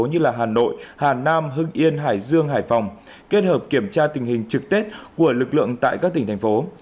như hà nội hà nam hưng yên hải dương hải phòng kết hợp kiểm tra tình hình trực tết của lực lượng tại các tỉnh thành phố